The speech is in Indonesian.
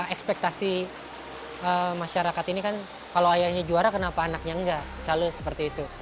ekspektasi masyarakat ini kan kalau ayahnya juara kenapa anaknya enggak selalu seperti itu